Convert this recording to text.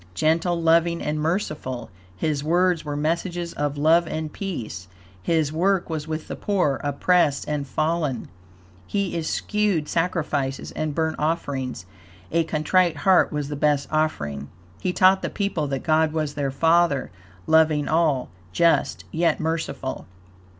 Gentle, loving and merciful, His words were messages of love and peace; His work was with the poor, oppressed and fallen; he eschewed sacrifices and burnt offerings; a contrite heart was the best offering; He taught the people that God was their Father, loving all, just, yet merciful.